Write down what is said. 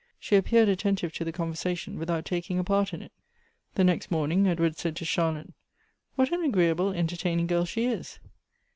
She appeared attentive to the conver sation, without taking a part in it. The next morning Edward said to Charlotte, "What an agreeable, entertaining girl she is